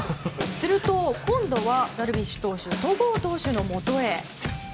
すると今度はダルビッシュ投手戸郷投手のもとへ。